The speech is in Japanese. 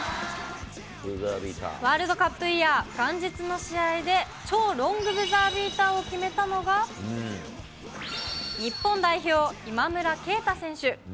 ワールドカップイヤー元日の試合で超ロングブザービーターを決めたのが、日本代表、今村佳太選手。